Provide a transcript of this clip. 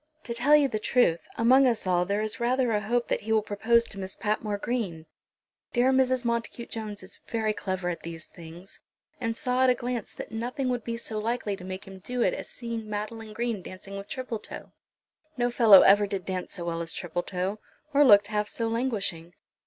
"To tell you the truth, among us all there is rather a hope that he will propose to Miss Patmore Green. Dear Mrs. Montacute Jones is very clever at these things, and saw at a glance that nothing would be so likely to make him do it as seeing Madeline Green dancing with Tripletoe. No fellow ever did dance so well as Tripletoe, or looked half so languishing.